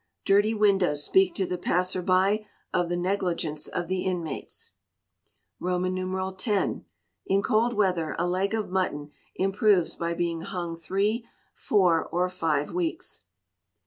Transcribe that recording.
Dirty windows speak to the passer by of the negligence of the inmates. x. In cold weather a leg of mutton improves by being hung three, four, or five weeks.